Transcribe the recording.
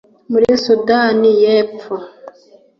muri Sudani y’Epfo